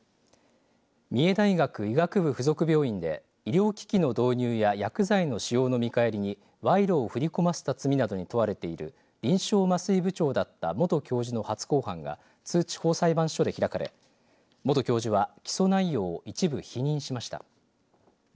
三重大学医学部付属病院で医療機器の導入や薬剤の使用の見返りに賄賂を振り込ませた罪などに問われている臨床麻酔部長だった元教授の初公判が津地方裁判所で開かれ元教授は起訴内容を一部否認しました。